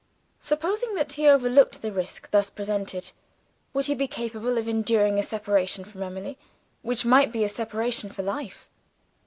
Supposing that he overlooked the risk thus presented, would he be capable of enduring a separation from Emily, which might be a separation for life?